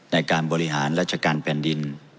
ในการบริหารราชการแผ่นดิน